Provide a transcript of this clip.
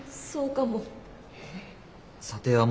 そうかも。